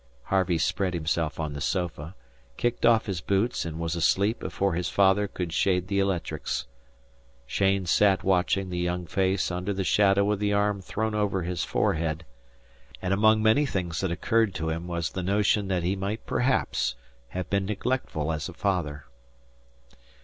Harvey spread himself on the sofa, kicked off his boots, and was asleep before his father could shade the electrics. Cheyne sat watching the young face under the shadow of the arm thrown over the forehead, and among many things that occurred to him was the notion that he might perhaps have been neglectful as a father.